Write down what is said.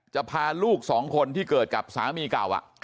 พาลูกสองคนที่เกิดกับสามีเก่า